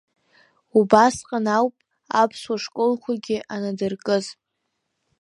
Убасҟан ауп аԥсуа школқәагьы анадыркыз.